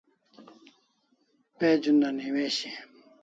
Page una newishi